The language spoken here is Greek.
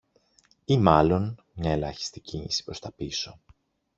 Ή μάλλον μια ελάχιστη κίνηση προς τα πίσω